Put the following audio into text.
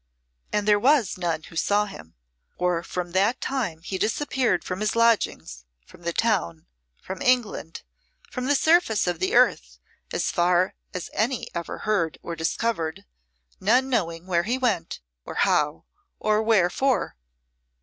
And there was none who saw him, for from that time he disappeared from his lodgings, from the town, from England, from the surface of the earth, as far as any ever heard or discovered, none knowing where he went, or how, or wherefore.